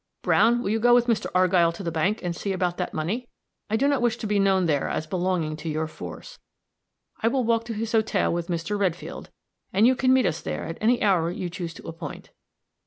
Browne, will you go with Mr. Argyll to the bank, and see about that money? I do not wish to be known there as belonging to your force. I will walk to his hotel with Mr. Redfield, and you can meet us there at any hour you choose to appoint."